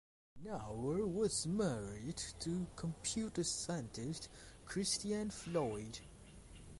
Naur was married to computer scientist Christiane Floyd.